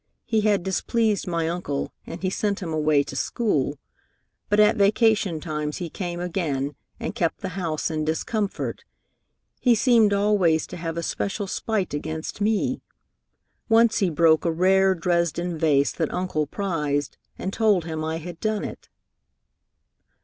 He had displeased my uncle, and he sent him away to school; but at vacation times he came again, and kept the house in discomfort. He seemed always to have a special spite against me. Once he broke a rare Dresden vase that Uncle prized, and told him I had done it.